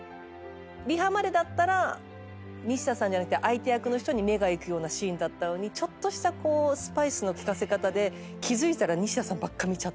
リハまでだったら西田さんじゃなくて相手役の人に目が行くようなシーンだったのにちょっとしたスパイスの利かせ方で。